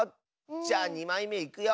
じゃあ２まいめいくよ。